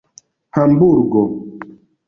hamburgo